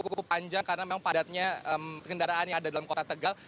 cukup panjang karena memang padatnya kendaraan yang ada dalam kota tegal